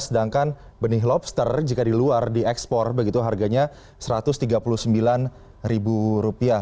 sedangkan benih lobster jika di luar di ekspor harganya satu ratus tiga puluh sembilan ribu rupiah